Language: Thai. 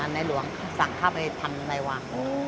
ในหลวงสั่งข้าไปทำไปวาง